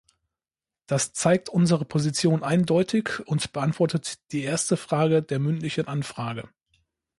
Das zeigt unsere Position eindeutig und beantwortet die erste Frage der mündlichen Anfrage.